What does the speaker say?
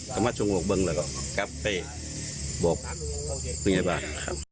ก็มาชงวงบึงแล้วก็กาเฟ่บอกพี่ใหญ่บ้าน